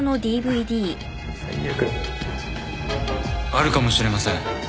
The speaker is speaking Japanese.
あるかもしれません。